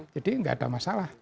jadi nggak ada masalah